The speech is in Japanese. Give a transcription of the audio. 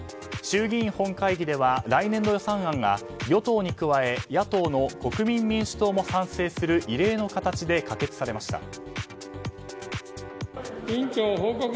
衆議院本会議では来年の予算案が、与党に加え野党の国民民主党も賛成する異例の形で可決されました。